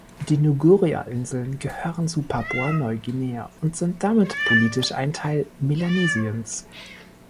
Die Nuguria-Inseln gehören zu Papua-Neuguinea und sind damit politisch ein Teil Melanesiens.